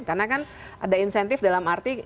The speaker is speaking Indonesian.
karena kan ada insentif dalam arti